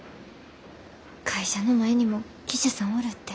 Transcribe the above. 会社の前にも記者さんおるって。